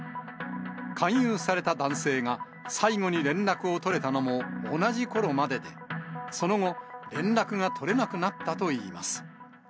勧誘された男性が最後に連絡を取れたのも同じころまでで、その後、連絡が取れなくなったといいます。